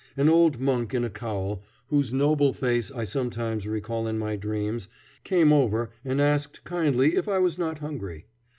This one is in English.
An old monk in a cowl, whose noble face I sometimes recall in my dreams, came over and asked kindly if I was not hungry.